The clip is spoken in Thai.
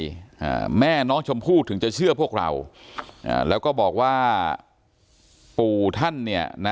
อ่าแม่น้องชมพู่ถึงจะเชื่อพวกเราอ่าแล้วก็บอกว่าปู่ท่านเนี่ยนะ